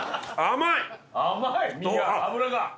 甘い脂が？